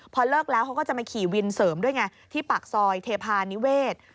พอเลิกแล้วเขาก็จะมาขี่วินเสริมด้วยไงที่ปากซอยเทพานิเวศ